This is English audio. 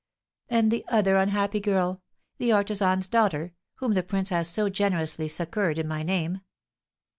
And the other unhappy girl, the artisan's daughter, whom the prince has so generously succoured in my name!